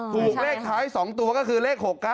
ถูกเลขท้าย๒ตัวก็คือเลข๖๙